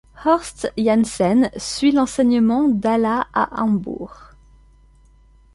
Horst Janssen suit l’enseignement d' à la à Hambourg.